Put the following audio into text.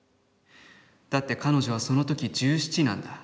だって彼女はその時十七なんだ。